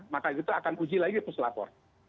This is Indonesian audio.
maka itu akan uji lagi peselapor